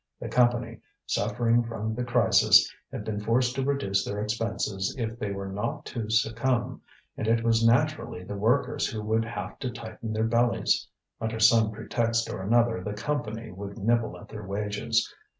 The Company, suffering from the crisis, had been forced to reduce their expenses if they were not to succumb, and it was naturally the workers who would have to tighten their bellies; under some pretext or another the Company would nibble at their wages.